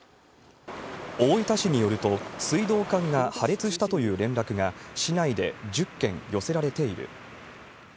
大分市によると、水道管が破裂したという連絡が、市内で１０件寄せられている。